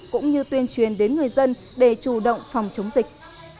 cũng như tuyên truyền đến người dân để chủ động phòng chống dịch